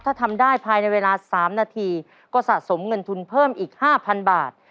ถ้าทำได้ภายในเวลา๓นาทีก็สะสมเงินทุนเพิ่มอีก๕๐๐๐บาท